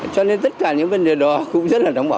cho nên tất cả những vấn đề đó cũng rất là